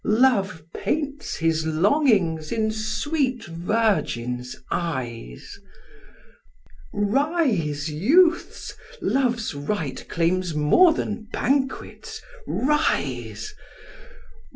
Love paints his longings in sweet virgins' eyes: Rise, youths! Love's rite claims more than banquets; rise!